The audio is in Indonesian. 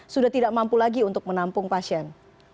sudah tidak mampu lagi untuk menampung pasien